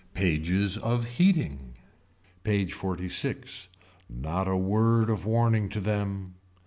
Pages of heating. PAGE XLVI. Not a word of warning to them.